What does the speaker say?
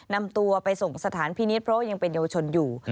นำตัวไปส่งสถานพินิษฐ์เพราะว่ายังเป็นเยาวชนอยู่